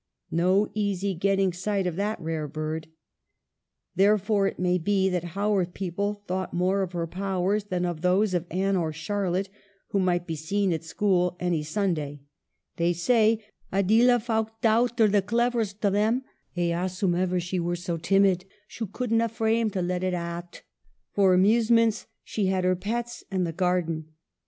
No easy getting sight of that rare bird. Therefore, it may be, the Haworth people thought more of her powers than of those of Anne or Charlotte, who might be seen at school any Sunday. They say: "A deal o' folk thout her th' clever'st o' them a', hasum iver shoo wur so timid, shoo cudn't frame to let it aat." For amusements she had her pets and the garden.